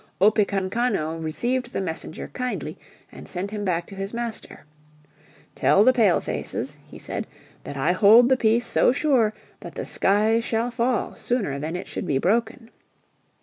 Opekankano received the messenger kindly and sent him back to his master. "Tell the Pale faces," he said, "that I hold the peace so sure that the skies shall fall sooner than it should be broken."